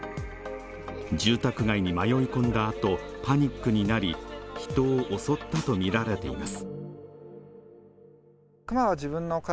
住宅街に迷い込んだあとパニックになり人を襲ったと見られています